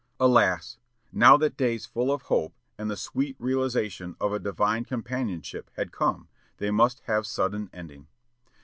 Alas! now that days full of hope, and the sweet realization of a divine companionship had come, they must have sudden ending.